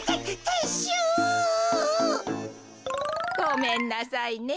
ごめんなさいね。